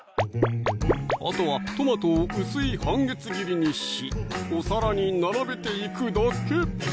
あとはトマトを薄い半月切りにしお皿に並べていくだけ！